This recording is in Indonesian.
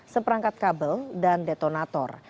seperangkat kabel dan detonator